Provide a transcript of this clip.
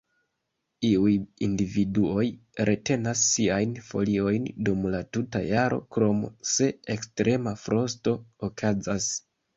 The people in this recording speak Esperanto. Iuj individuoj retenas siajn foliojn dum la tuta jaro, krom se ekstrema frosto okazas.